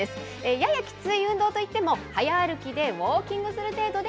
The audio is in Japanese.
ややきつい運動といっても、早歩きでウォーキングする程度で。